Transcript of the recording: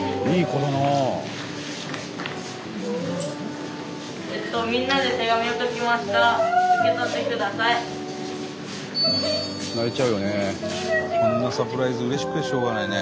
こんなサプライズうれしくてしょうがないね。